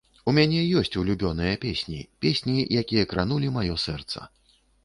У мяне ёсць улюбёныя песні, песні, якія кранулі маё сэрца.